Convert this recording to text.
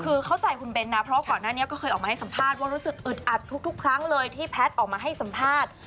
คือเข้าใจคุณเบ้นนะเพราะว่าก่อนหน้านี้ก็เคยออกมาให้สัมภาษณ์ว่ารู้สึกอึดอัดทุกครั้งเลยที่แพทย์ออกมาให้สัมภาษณ์